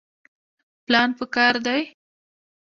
پلان پکار دی